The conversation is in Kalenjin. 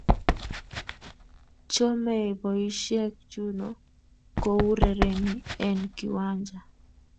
chomei boisiek chuno kourereni en kiwanja